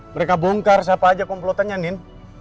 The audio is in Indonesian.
mereka bongkar siapa aja komplotannya nin